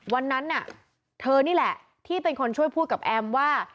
วันนั้นน่ะเธอนี่แหละที่เป็นคนช่วยพูดกับแอมว่า